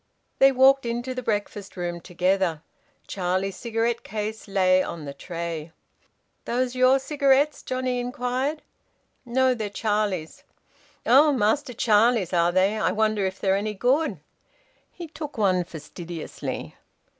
They walked into the breakfast room together. Charlie's cigarette case lay on the tray. "Those your cigarettes?" Johnnie inquired. "No. They're Charlie's." "Oh! Master Charlie's, are they? I wonder if they're any good." He took one fastidiously.